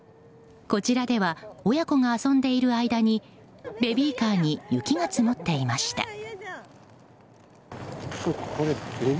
こちらでは親子が遊んでいる間にベビーカーに雪が積もっていました。